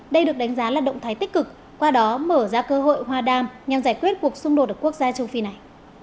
đây được đánh giá là động thái tích cực qua đó mở ra cơ hội hoa đàm nhằm giải quyết cuộc xung đột ở quốc gia châu phi này